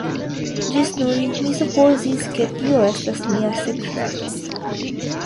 Ĝis nun mi supozis ke tio estas mia sekreto.